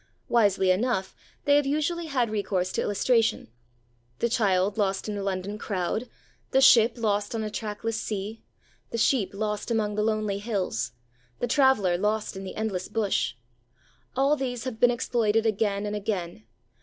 Wisely enough, they have usually had recourse to illustration. The child lost in a London crowd; the ship lost on a trackless sea; the sheep lost among the lonely hills; the traveller lost in the endless bush, all these have been exploited again and again.